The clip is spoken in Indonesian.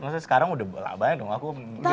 maksudnya sekarang udah labanya dong aku